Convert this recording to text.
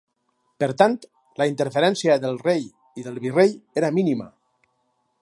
Per tant, la interferència del rei i del virrei era mínima.